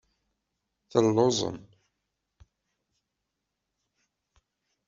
Telluẓem.